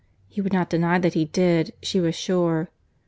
—He would not deny that he did, she was sure.